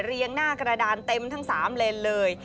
หน้ากระดานเต็มทั้ง๓เลนเลย